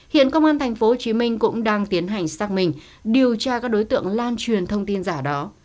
hiện công an tp hcm cũng đang tiến hành xác minh điều tra các đối tượng lan truyền thông tin giả đó